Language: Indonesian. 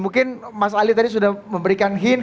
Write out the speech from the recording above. mungkin mas ali tadi sudah memberikan hin